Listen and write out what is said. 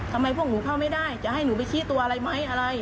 ทำไมพวกหนูเข้าไม่ได้จะให้หนูไปชี้ตัวอะไรไหมอะไร